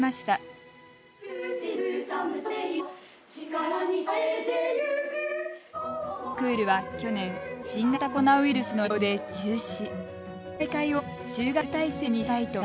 コンクールは去年新型コロナウイルスの影響で中止。